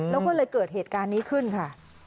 แล้วก็เลยเกิดเหตุการณ์นี้ขึ้นค่ะ